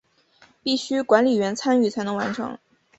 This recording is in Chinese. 必须管理员参与才能完成。